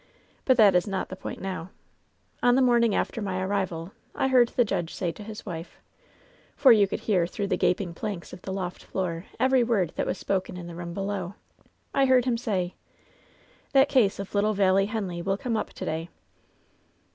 But that is not the point now. On the morning after my arrival I heard the judge say to his wife — ^for you could hear through the gaping planks of the loft floor every word that was spoken in the room below — I heard him say :" 'That case of little Valley Henley will come up to day.'